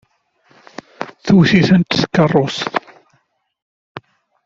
Tewwet-itent tkeṛṛust.